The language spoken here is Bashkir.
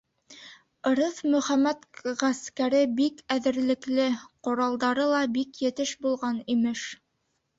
Ырыҫ Мөхәммәт ғәскәре бик әҙерлекле, ҡоралдары ла бик етеш булған, имеш.